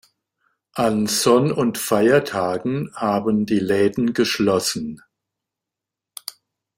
An Sonn- und Feiertagen haben die Läden geschlossen.